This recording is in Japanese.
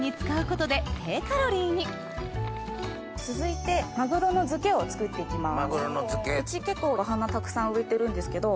続いてマグロの漬けを作っていきます。